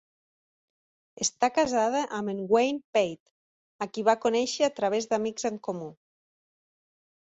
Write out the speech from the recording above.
Està casada amb en Wayne Pate, a qui va conèixer a través d'amics en comú.